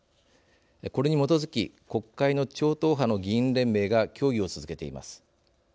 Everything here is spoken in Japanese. これに基づき国会の超党派の議員連盟が協議を続けています。